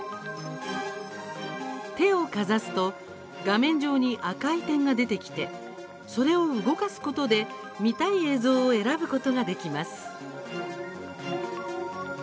手をかざすと画面上に赤い点が出てきてそれを動かすことで見たい映像を選ぶことができます。